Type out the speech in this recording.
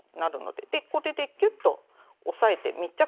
でこれでキュッと押さえて密着させて下さい。